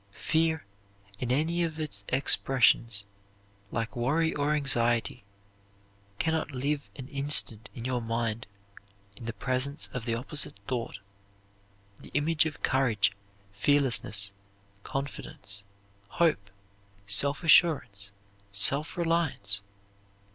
Fear, in any of its expressions, like worry or anxiety, can not live an instant in your mind in the presence of the opposite thought, the image of courage, fearlessness, confidence, hope, self assurance, self reliance.